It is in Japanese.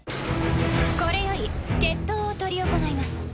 これより決闘を執り行います。